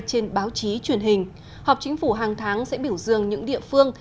trên báo chí truyền hình họp chính phủ hàng tháng sẽ biểu dương những địa phương